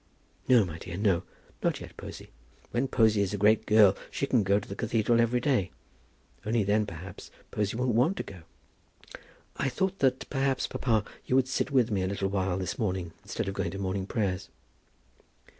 "No, my dear, no; not yet, Posy. When Posy is a great girl she can go to cathedral every day. Only then, perhaps, Posy won't want to go." "I thought that, perhaps, papa, you would sit with me a little while this morning, instead of going to morning prayers."